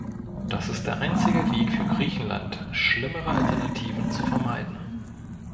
Das ist der einzige Weg für Griechenland, schlimmere Alternativen zu vermeiden.